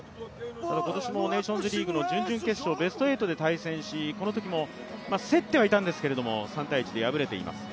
今年もネーションズリーグの準々決勝、ベスト８で対戦し、このときも競ってはいたんですけれども、３−１で敗れています。